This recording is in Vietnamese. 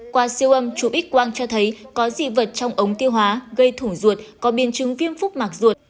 qua siêu âm chú ít quang cho thấy có dị vật trong ống tiêu hóa gây thủ ruột có biên chứng viêm phúc mạc ruột